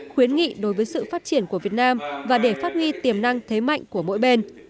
khuyến nghị đối với sự phát triển của việt nam và để phát huy tiềm năng thế mạnh của mỗi bên